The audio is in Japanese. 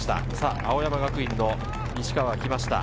青山学院の西川が来ました。